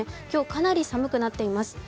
今日、かなり寒くなっています。